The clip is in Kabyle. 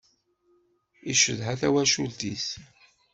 Icedha tawacult-is.